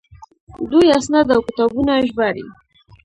دوی اسناد او کتابونه ژباړي.